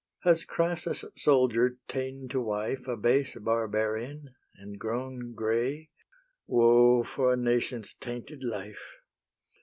Has Crassus' soldier ta'en to wife A base barbarian, and grown grey (Woe, for a nation's tainted life!)